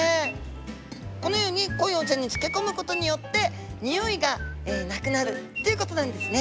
このように濃いお茶に漬け込むことによってにおいがなくなるということなんですね。